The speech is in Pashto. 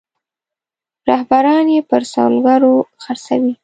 رهبران یې پر سوداګرو خرڅوي.